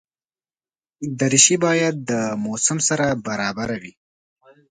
دریشي باید د موسم سره برابره وي.